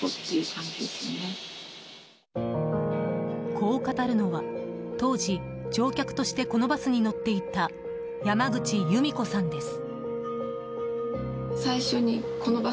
こう語るのは、当時乗客としてこのバスに乗っていた山口由美子さんです。